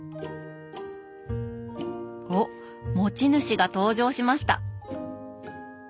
おっ持ち主が登場しました。